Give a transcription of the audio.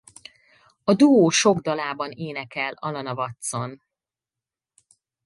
A duó sok dalában énekel Alana Watson.